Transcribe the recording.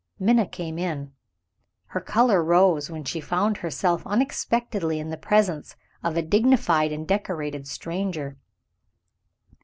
Minna came in. Her color rose when she found herself unexpectedly in the presence of a dignified and decorated stranger.